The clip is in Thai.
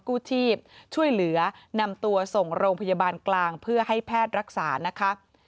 กู้ชีพช่วยเหลือนำตัวส่งโรงพยาบาลกลางเพื่อให้แพทย์รักษานะคะ